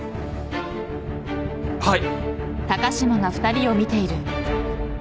はい。